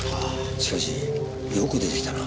しかしよく出てきたな。